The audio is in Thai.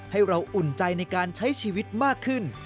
ให้เราอุ่นใจในการใช้ชีวิตมากขึ้น